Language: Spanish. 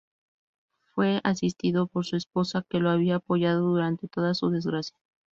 Fue asistido por su esposa, que lo había apoyado durante toda su desgracia.